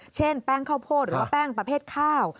เช่นแป้งข้าวโพดหรือว่าแป้งประเภทข้าว